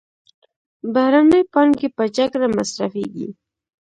بهرنۍ پانګې پر جګړه مصرفېږي.